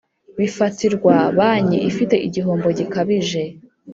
bifatirwa banki ifite igihombo gikabije